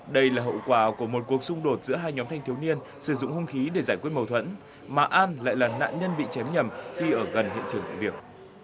đây là hậu quả của một cuộc xung đột giữa hai nhóm thanh thiếu niên sử dụng hung khí để giải quyết mâu thuẫn mà an lại là nạn nhân bị chém nhầm khi ở gần hiện trường vụ việc